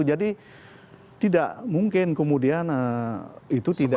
jadi tidak mungkin kemudian itu tidak